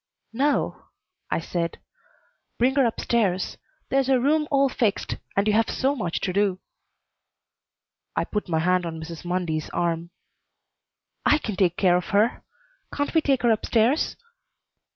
"No," I said. "Bring her up stairs. There's a room all fixed, and you have so much to do." I put my hand on Mrs. Mundy's arm. "I can take care of her. Can't we take her up stairs?"